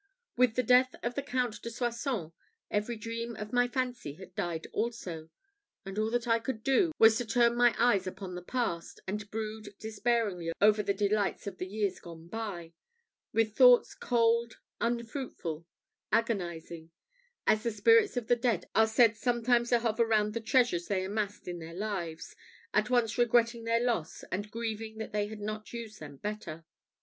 With the death of the Count de Soissons, every dream of my fancy had died also; and all that I could do, was to turn my eyes upon the past, and brood despairingly over the delights of the years gone by, with thoughts cold, unfruitful, agonising as the spirits of the dead are said sometimes to hover round the treasures they amassed in their lives, at once regretting their loss, and grieving that they had not used them better.